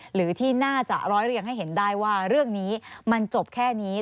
หรือที่น่าจะร้อยเรียงให้เห็นได้ว่าเรื่องนี้มันจบแค่นี้